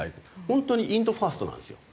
本当にインドファーストなんですよ。